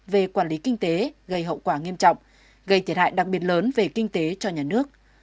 về quản lý kinh tế gây hậu quả nghiêm trọng gây thiệt hại đặc biệt lớn về kinh tế cho nhà nước